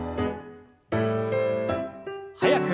速く。